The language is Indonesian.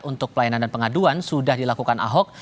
untuk pelayanan dan pengaduan sudah dilakukan ahok